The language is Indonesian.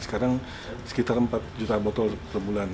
sekarang sekitar empat juta botol per bulan